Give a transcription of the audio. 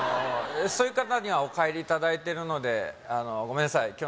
そういう方にはお帰りいただいてるのでごめんなさい